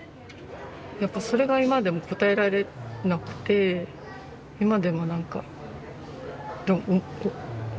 やっぱそれが今でも答えられなくて今でも何か覚えてる。